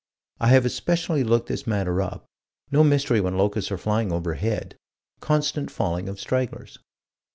I have especially looked this matter up no mystery when locusts are flying overhead constant falling of stragglers.